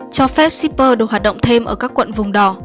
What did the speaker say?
cho phép shipper được hoạt động thêm ở các quận vùng đỏ